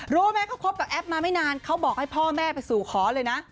รู้ไหมเขาคบกับแอปมาไม่นานเขาบอกให้พ่อแม่ไปสู่ขอเลยนะ